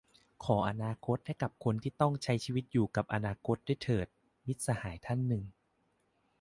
"ขออนาคตให้กับคนที่ต้องใช้ชีวิตอยู่กับอนาคตด้วยเถิด" - มิตรสหายท่านหนึ่ง